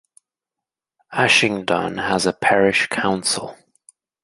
Ashingdon has a Parish Council.